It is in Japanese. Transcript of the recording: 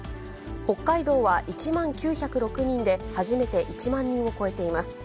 北海道は１万９０６人で、初めて１万人を超えています。